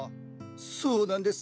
そうなんです。